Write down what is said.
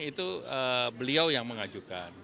itu beliau yang mengajukan